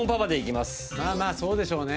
まあまあそうでしょうね